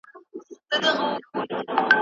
د ټولنيزو اړيکو درناوی وکړئ.